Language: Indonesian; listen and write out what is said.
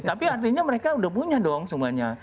tapi artinya mereka udah punya dong semuanya